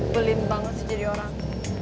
pelim banget sih jadi orang